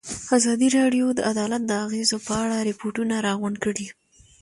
ازادي راډیو د عدالت د اغېزو په اړه ریپوټونه راغونډ کړي.